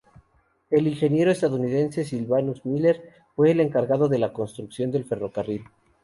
El ingeniero estadounidense Silvanus Miller fue el encargado de la construcción del ferrocarril.